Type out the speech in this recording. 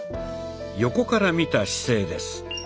横から見た姿勢です。